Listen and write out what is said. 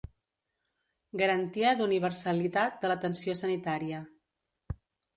Garantia d'universalitat de l'atenció sanitària.